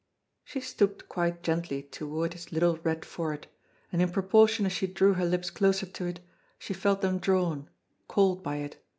She stooped quite gently toward this little red forehead; and in proportion as she drew her lips closer to it, she felt them drawn, called by it.